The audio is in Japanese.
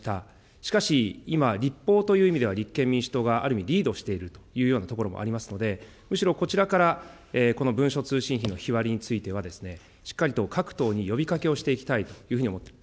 しかし、今、立法という意味では立憲民主党がある意味リードしているというようなところもありますので、むしろこちらから、この文書通信費の日割りについては、しっかりと各党に呼びかけをしていきたいと思っています。